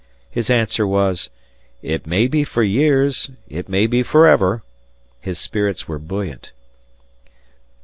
His answer was, "It may be for years, it may be forever." His spirits were buoyant.